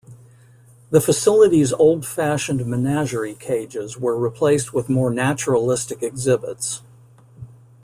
The facility's old-fashioned menagerie cages were replaced with more naturalistic exhibits.